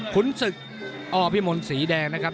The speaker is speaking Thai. คุณศึกอ้อพิมนศ์สีแดงนะครับ